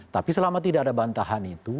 tapi selama tidak ada bantahan itu